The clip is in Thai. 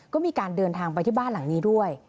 ก็มีการเดินทางไปที่บ้านหลังนี้ด้วย